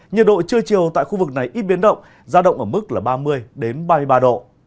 nhiệt độ trưa chiều tại khu vực này ít biến động giao động ở mức là ba mươi ba mươi ba độ